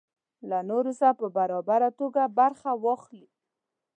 له نورو سره په برابره توګه برخه واخلي.